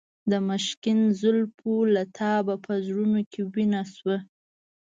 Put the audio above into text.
د مشکین زلفو له تابه په زړونو کې وینه شوه.